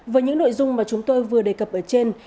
với những nội dung mà chúng tôi vừa đề cập ở trên